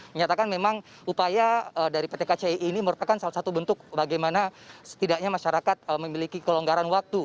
menyatakan memang upaya dari pt kci ini merupakan salah satu bentuk bagaimana setidaknya masyarakat memiliki kelonggaran waktu